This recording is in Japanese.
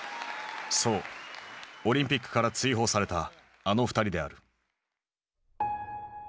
そうオリンピックから追放されたあの２人である。